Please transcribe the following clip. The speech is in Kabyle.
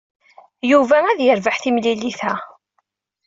Yuba ad yerbeḥ timlilit-a.